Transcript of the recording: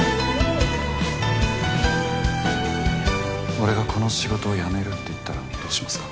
俺がこの仕事を辞めるって言ったらどうしますか？